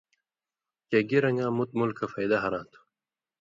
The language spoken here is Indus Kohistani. چے گی رنگاں مُت مُلکہ فېدہ ہراں تھو۔